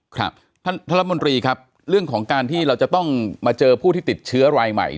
ครับท่านท่านรัฐมนตรีครับเรื่องของการที่เราจะต้องมาเจอผู้ที่ติดเชื้อรายใหม่